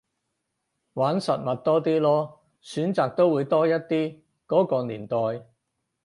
玩實物多啲囉，選擇都會多一啲，嗰個年代